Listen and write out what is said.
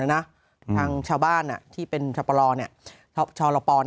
ทางชาวบ้านที่เป็นชาวปลอชาวหลักปอ